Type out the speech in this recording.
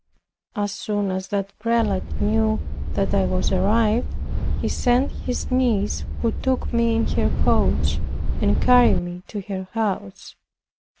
As soon as that Prelate knew that I was arrived, he sent his niece, who took me in her coach, and carried me to her house.